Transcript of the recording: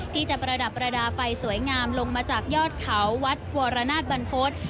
ที่จะประดับประดาษไฟสวยงามลงมาจากยอดเขาวัดกวรณาตบันพฤ